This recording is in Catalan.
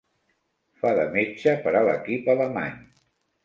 Fa de metge per a l'equip alemany.